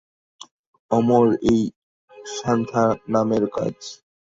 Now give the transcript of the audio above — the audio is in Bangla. অমর, এটা সান্থানামের কাজ।